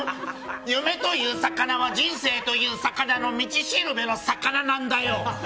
夢という魚は人生という魚の道しるべの魚なんだよ。